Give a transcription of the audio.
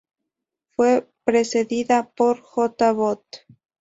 Fue precedida por "J. Bot.